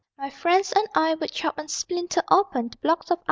My friends and I would chop and splinter open The blocks of ice.